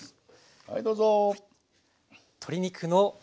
はいどうぞ。